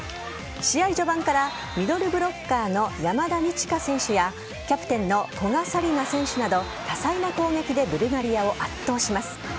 試合序盤からミドルブロッカーの山田二千華選手やキャプテンの古賀紗理那選手など多彩な攻撃でブルガリアを圧倒します。